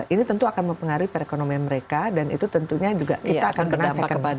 ini tentu akan mempengaruhi perekonomian mereka dan itu tentunya juga kita akan kenakan kembali